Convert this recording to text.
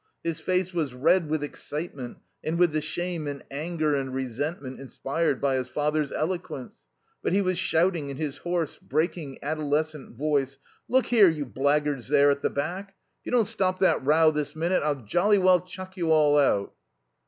His face was red with excitement, and with the shame and anger and resentment inspired by his father's eloquence. But he was shouting in his hoarse, breaking, adolescent voice: "Look here, you blackguards there at the back. If you don't stop that row this minute, I'll jolly well chuck you all out."